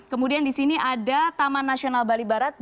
kemudian di sini ada taman nasional bali barat